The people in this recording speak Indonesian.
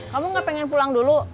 kamu gak pengen pulang dulu